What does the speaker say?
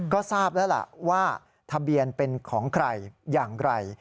ก็ทราบแล้วล่ะว่าทะเบียนเป็นของใครอย่างไร